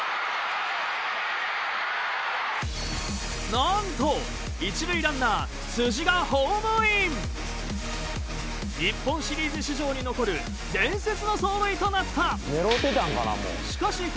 なんと１塁ランナー辻がホームイン！日本シリーズ史上に残る伝説の走塁となった。